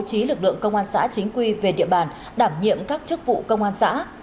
bố trí lực lượng công an xã chính quy về địa bàn đảm nhiệm các chức vụ công an xã